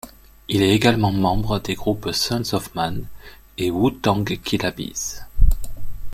Il est également membre des groupes Sunz of Man et Wu-Tang Killa Bees.